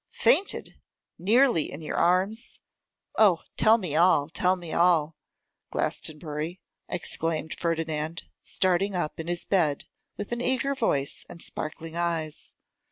'Fainted! nearly in your arms! Oh, tell me all, tell me all, Glastonbury,' exclaimed Ferdinand, starting up in his bed with an eager voice and sparkling eyes.